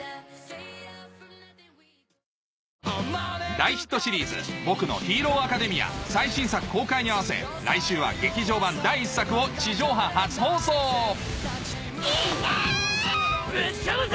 大ヒットシリーズ『僕のヒーローアカデミア』最新作公開に合わせ来週は劇場版第１作を地上波初放送行け！